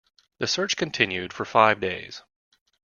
The search continued for five days.